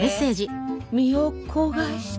「身を焦がして」。